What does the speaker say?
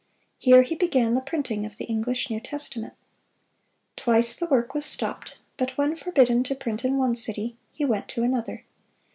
Here he began the printing of the English New Testament. Twice the work was stopped; but when forbidden to print in one city, he went to another.